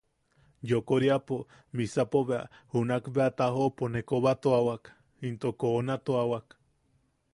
Yokooriapo misapo bea, junak bea tajoʼopo ne kobatuawak into koonatuawak.